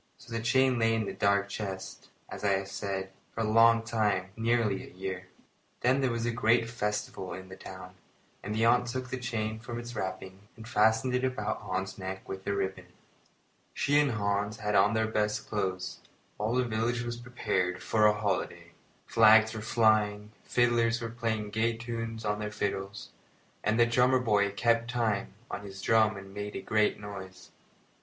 So the chain lay in the dark chest, as I have said, for a long time nearly a year. Then there was a great festival in the town, and the aunt took the chain from its wrappings and fastened it about Hans's neck with a ribbon. She and Hans had on their best clothes, and all the village was prepared for a holiday. Flags were flying, fiddlers were playing gay tunes on their fiddles, and the drummer boy kept time on his drum and made a great noise.